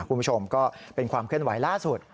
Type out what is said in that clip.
คุณผู้ชมก็เป็นความเคลื่อนไหวล่าสุด